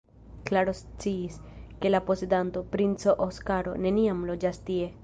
Klaro sciis, ke la posedanto, princo Oskaro, neniam loĝas tie.